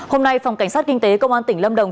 hôm nay phòng cảnh sát kinh tế công an tỉnh lâm đồng